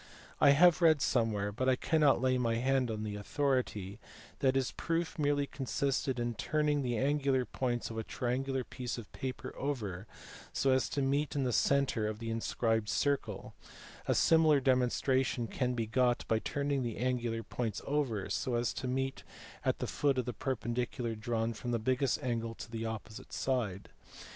I have read somewhere, but I cannot lay my hand on the authority, that his proof merely consisted in turning the angular points of a triangular piece of paper over so as to meet in the centre of the inscribed circle : a similar demon stration can be got by turning the angular points over so as to meet at the foot of the perpendicular drawn from the biggest angle to the opposite side.